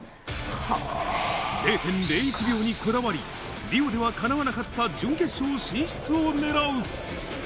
０．０１秒にこだわり、リオではかなわなかった準決勝進出を狙う。